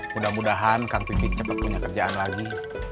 mudah mudahan kang pipin cepat punya kerjaan lagi